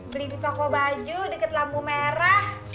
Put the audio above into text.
beli di toko baju deket lambu merah